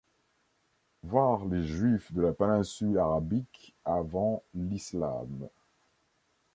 Voir les Juifs de la péninsule arabique avant l'islam.